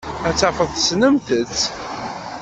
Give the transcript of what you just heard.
Ad tafeḍ tessnemt-tt.